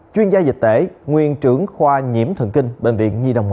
chuyên gia dịch tễ nguyên trưởng khoa nhiễm thần kinh bệnh viện nhi đồng một